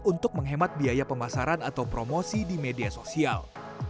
untuk menghemat biaya pemasaran atau promosi di media sosial